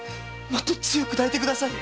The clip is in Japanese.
もっと強く抱いて下さい。